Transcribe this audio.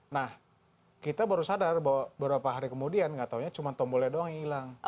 nah kita baru sadar bahwa beberapa hari kemudian nggak tahunya cuma tombolnya doang yang hilang